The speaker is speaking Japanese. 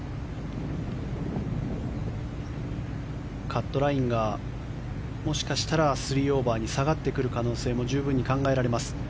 カットラインがもしかしたら３オーバーに下がってくる可能性も十分に考えられます。